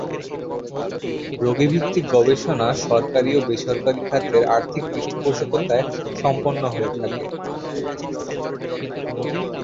রোগীভিত্তিক গবেষণা সরকারী ও বেসরকারী খাতের আর্থিক পৃষ্ঠপোষকতায় সম্পন্ন হয়ে থাকে।